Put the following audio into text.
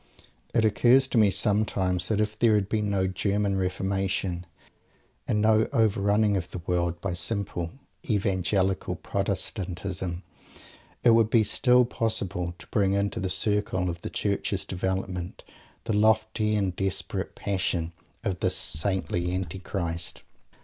It occurs to me sometimes that if there had been no "German Reformation" and no overrunning of the world by vulgar evangelical Protestantism, it would be still possible to bring into the circle of the Church's development the lofty and desperate Passion of this "saintly" Antichrist.